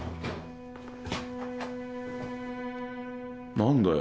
何だよ